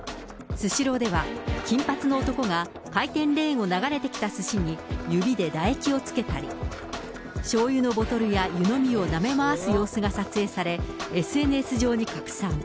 スシローでは、金髪の男が回転レーンを流れてきたすしに指で唾液をつけたり、しょうゆのボトルや湯飲みをなめ回す様子が撮影され、ＳＮＳ上に拡散。